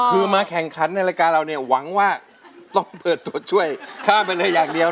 คือมาแข่งขันในรายการเราเนี่ยหวังว่าต้องเปิดตัวช่วยข้ามไปเลยอย่างเดียว